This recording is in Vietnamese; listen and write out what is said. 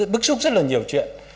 bức xúc rất là nhiều chuyện